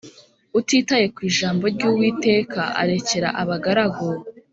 utitaye ku ijambo ry Uwiteka arekera abagaragu